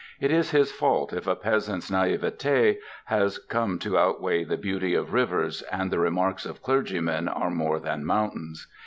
It is his fault if a peasant's naïveté has come to outweigh the beauty of rivers, and the remarks of clergymen are more than mountains.